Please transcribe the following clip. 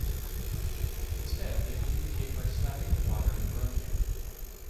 Instead, they communicate by slapping the water and grunting.